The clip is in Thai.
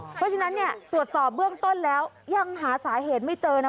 เพราะฉะนั้นเนี่ยตรวจสอบเบื้องต้นแล้วยังหาสาเหตุไม่เจอนะ